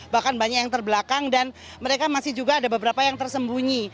bahkan banyak yang terbelakang dan mereka masih juga ada beberapa yang tersembunyi